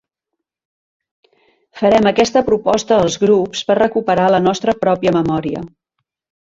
Farem aquesta proposta als grups per recuperar la nostra pròpia memòria.